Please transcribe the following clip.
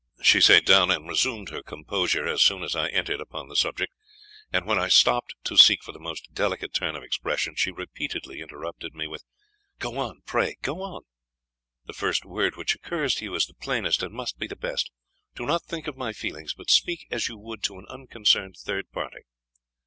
She sate down and resumed her composure, as soon as I entered upon the subject, and when I stopped to seek for the most delicate turn of expression, she repeatedly interrupted me with "Go on pray, go on; the first word which occurs to you is the plainest, and must be the best. Do not think of my feelings, but speak as you would to an unconcerned third party."